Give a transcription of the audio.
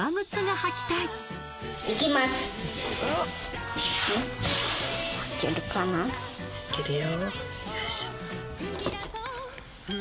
履けるよ。